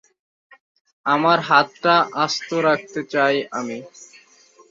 আমার হাতটা আস্ত রাখতে চাই আমি।